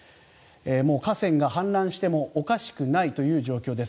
河川が氾濫してもおかしくないという状況です。